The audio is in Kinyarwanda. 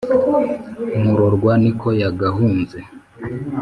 murorwa ni ko yagahunze